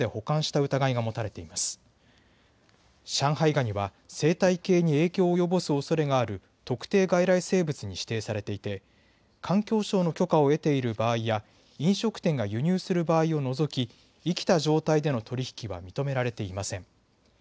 ガニは生態系に影響を及ぼすおそれがある特定外来生物に指定されていて、環境省の許可を得ている場合や飲食店が輸入する場合を除き生きた状態での取り引きは認められていません。